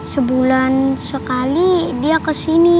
sebulan sekali dia kesini